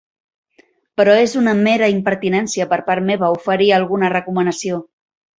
Però és una mera impertinència per part meva oferir alguna recomanació.